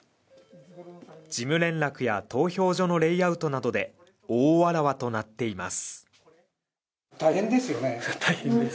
事務連絡や投票所のレイアウトなどで大わらわとなっています